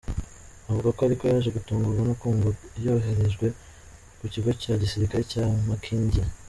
Avuga ko ariko yaje gutungurwa no kumva yoherejwe ku kigo cya gisirikare cya Makindye .